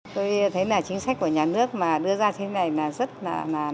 nhạy bên kent